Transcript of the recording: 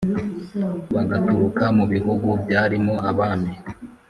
bagaturuka mu bihugu byarimo abami